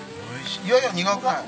いやいや苦くない。